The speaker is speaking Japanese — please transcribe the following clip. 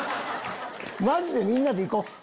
マジでみんなで行こう。